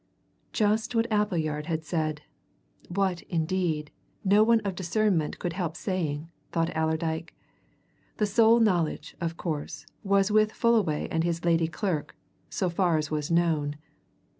Just what Appleyard had said! what, indeed, no one of discernment could help saying, thought Allerdyke. The sole knowledge, of course, was with Fullaway and his lady clerk so far as was known.